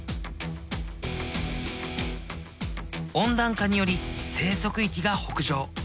温暖化により生息域が北上。